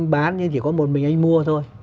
bán nhưng chỉ có một mình anh mua thôi